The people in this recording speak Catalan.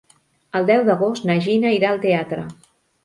El deu d'agost na Gina irà al teatre.